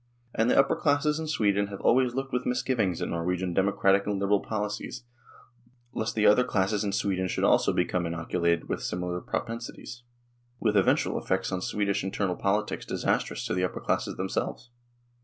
And the upper classes in Sweden have always looked with misgivings at Norwegian democratic and liberal politics lest the other classes in Sweden should also become inoculated with similar propensities, with eventual effects on Swedish internal politics disastrous to the upper classes themselves.